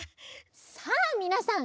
さあみなさん